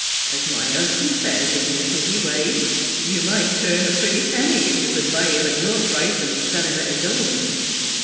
As my husband says, in his witty way, you might turn a pretty penny if you could buy him at your price and sell him at his own.